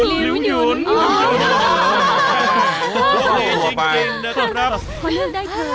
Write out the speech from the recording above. พอเลือกเพิ่งให้เธอ